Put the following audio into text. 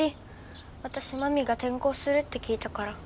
わたしまみが転校するって聞いたから。